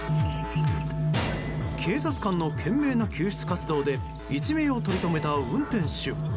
警察官の懸命な救出活動で一命を取り留めた運転手。